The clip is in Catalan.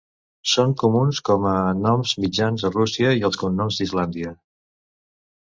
Són comuns com a noms mitjans a Rússia, i en cognoms d'Islàndia.